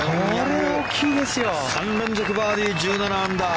３連続バーディー１７アンダー。